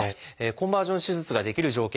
コンバージョン手術ができる条件